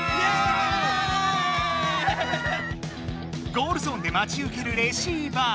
ゴールゾーンでまちうけるレシーバー。